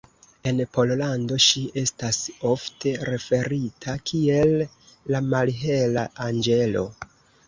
En Pollando, ŝi estas ofte referita kiel "la malhela anĝelo".